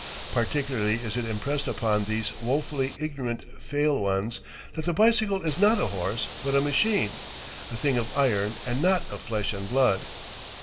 Particularly is it impressed upon these woefully ignorant fail ones, that the bicycle is not a horse, but a machine a thing of iron and not of flesh and blood.